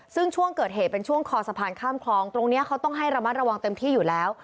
ซึ่งช่วงเกิดเหตุเป็นช่วงคอสะพานข้ามคลองตรงนี้เขาต้องให้ระมัดระวังเต็มที่อยู่แล้ว